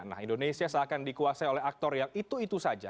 nah indonesia seakan dikuasai oleh aktor yang itu itu saja